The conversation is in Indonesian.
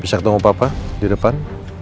bisa ketemu papa di depan